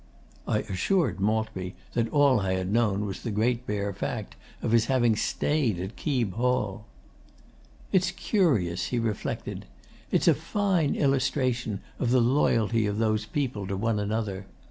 I assured Maltby that all I had known was the great bare fact of his having stayed at Keeb Hall. 'It's curious,' he reflected. 'It's a fine illustration of the loyalty of those people to one another.